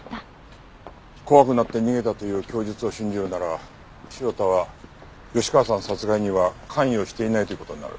怖くなって逃げたという供述を信じるなら潮田は吉川さん殺害には関与していないという事になる。